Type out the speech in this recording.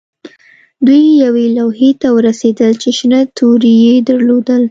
دوی یوې لوحې ته ورسیدل چې شنه توري یې درلودل